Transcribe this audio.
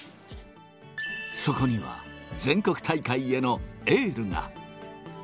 そこには、全国大会へのエールが。